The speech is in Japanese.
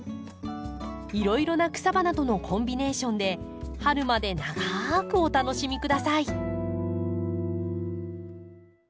いろいろな草花とのコンビネーションで春まで長くお楽しみ下さい。